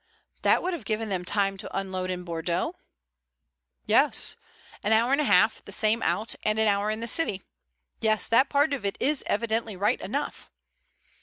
"That would have given them time to unload in Bordeaux?" "Yes; an hour and a half, the same out, and an hour in the city. Yes, that part of it is evidently right enough."